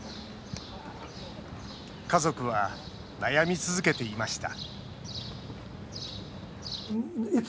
家族は悩み続けていました